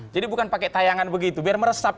jadi bukan pakai tayangan begitu biar meresap